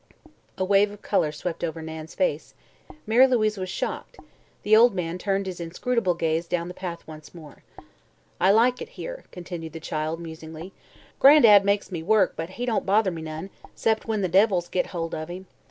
A wave of color swept over Nan's face; Mary Louise was shocked; the old man turned his inscrutable gaze down the path once more. "I like it here," continued the child, musingly: "Gran'dad makes me work, but he don't bother me none 'cept when the devils get, hold o' him.